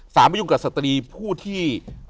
ไม่ยุ่งกับสตรีผู้ที่